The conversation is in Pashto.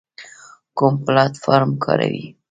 کوم پلتفارم کاروئ؟